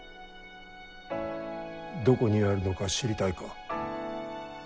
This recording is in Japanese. どこにあるのか知りたいか？